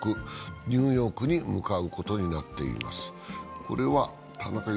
ニューヨークに向かうことになっています。